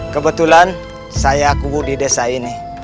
kebetulan saya kubu di desa ini